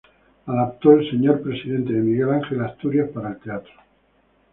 Adaptó "El Señor Presidente" de Miguel Ángel Asturias para el teatro.